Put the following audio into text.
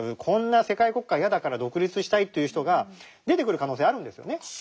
こんな世界国家嫌だから独立したいという人が出てくる可能性あるんですよね。